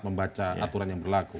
membaca aturan yang berlaku